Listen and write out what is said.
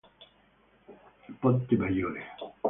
Ponte Maggiore